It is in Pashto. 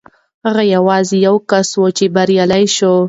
هغه یوازې یو کس و چې بریالی شو.